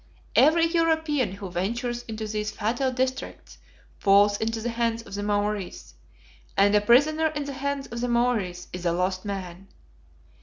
Every European who ventures into these fatal districts falls into the hands of the Maories, and a prisoner in the hands of the Maories is a lost man.